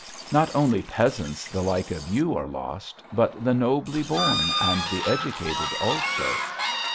Not only peasants the like of you are lost, but the nobly born and the educated also.